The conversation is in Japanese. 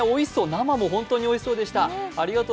生も本当においしそうでした。